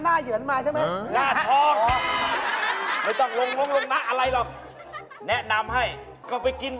หน้าเหยื่อมายใช่ไหมครับอ๋อ